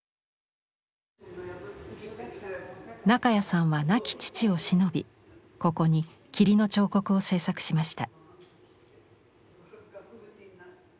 中谷さんは亡き父をしのびここに「霧の彫刻」を制作しました。